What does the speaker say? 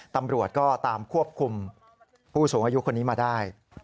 ตำรวจก็ตามควบคุมผู้สูงอายุคนนี้มาได้